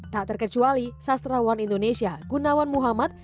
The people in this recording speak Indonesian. tak terkecuali sastrawan indonesia gunawan muhammad